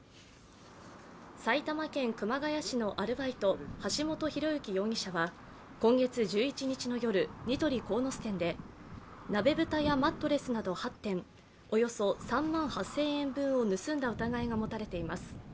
埼玉県熊谷市のアルバイト、橋本寛之容疑者は今月１１日の夜、ニトリ鴻巣店で鍋蓋やマットレスなど８点、およそ３万８０００円分を盗んだ疑いが持たれています。